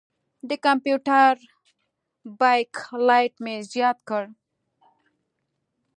د کمپیوټر بیک لایټ مې زیات کړ.